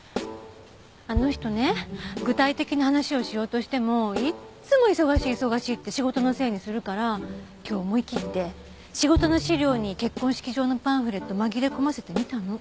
あの人ね具体的な話をしようとしてもいつも忙しい忙しいって仕事のせいにするから今日思い切って仕事の資料に結婚式場のパンフレット紛れ込ませてみたの。